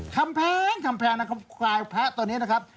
คำแพงคำแพงนะครับควายแพะตัวนี้นะครับ